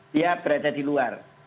dia berada di luar